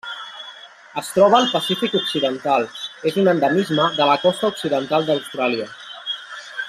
Es troba al Pacífic occidental: és un endemisme de la costa occidental d'Austràlia.